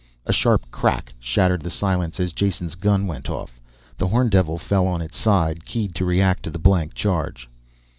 A sharp crack shattered the silence as Jason's gun went off. The horndevil fell on its side, keyed to react to the blank charge.